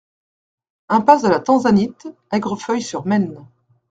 Impasse de la Tanzanite, Aigrefeuille-sur-Maine